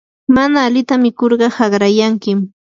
mana alita mikurqa haqrayankim.